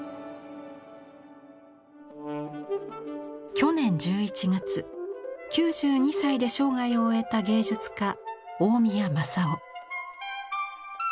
去年１１月９２歳で生涯を終えた芸術家大宮政郎。